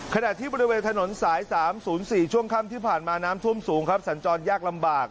ขณะที่บริเวณถนนสาย๓๐๔ช่วงค่ำที่ผ่านมาน้ำท่วมสูงครับสัญจรยากลำบาก